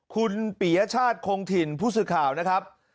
คุณปียชาติคงถิ่นผู้สื่อข่าวนะครับ